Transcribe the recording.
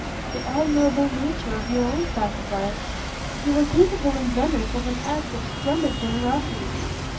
"The admirable nature of your own sacrifice. You were capable in Venice of an act of splendid generosity."